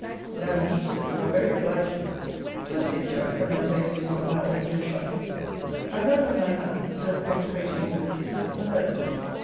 Now, indeed, Sir, you are very obliging. Dost think, Jack, that my face did not now also shine? I held out my hand, (first consecrating it with a kiss,) for her's.